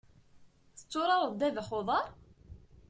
Tetturareḍ ddabex n uḍar?